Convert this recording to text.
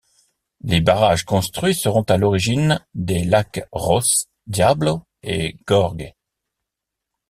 Les barrages construits seront à l'origine des lacs Ross, Diablo et Gorge.